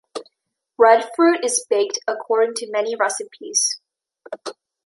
Breadfruit is baked according to many recipes.